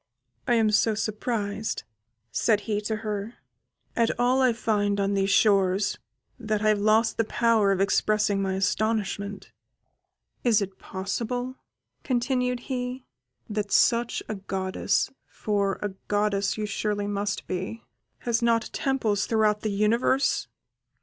"I am so surprised," said he to her, "at all I find on these shores, that I have lost the power of expressing my astonishment. Is it possible," continued he, "that such a goddess (for a goddess you surely must be) has not temples throughout the universe?"